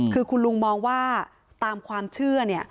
คือคุณลุงมองว่าตามความเชื่อ